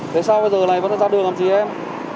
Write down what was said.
thế sao giờ này vẫn ra đường làm gì em